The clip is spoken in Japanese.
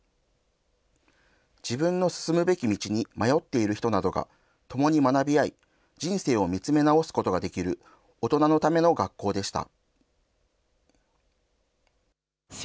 自分の進むべき道に迷っている人などが共に学び合い、人生を見つめ直すことができる、大人のための学校でした。